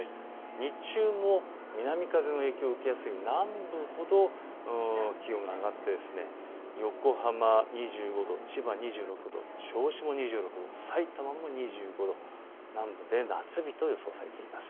日中も南風の影響を受けやすい南部ほど気温が上がって横浜２５度、千葉２６度、銚子も２６度、さいたまも２５度、夏日と予想されています。